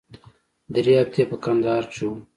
درې هفتې په کندهار کښې وو.